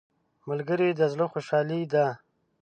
ملګری د زړه خوشحالي ده